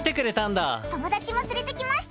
友達もつれてきました。